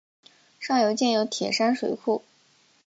上游建有铁山水库。